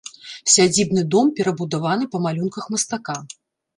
Сядзібны дом перабудаваны па малюнках мастака.